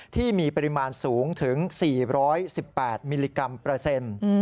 ที่มีปริมาณสูงถึง๔๑๘มิลลิกรัมเปอร์เซ็นต์